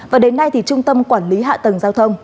và đến nay thì trung tâm quản lý hạ tầng giao thông